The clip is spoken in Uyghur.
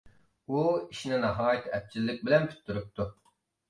ئۇ ئىشنى ناھايىتى ئەپچىللىك بىلەن پۈتتۈرۈپتۇ.